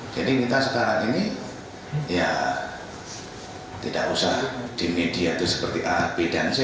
jadi kita sekarang ini ya tidak usah di media itu seperti a b dan c